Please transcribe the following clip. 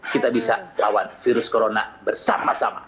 kita bisa lawan virus corona bersama sama